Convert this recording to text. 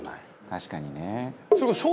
「確かにね」